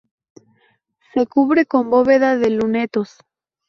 Se cubre con bóveda de lunetos.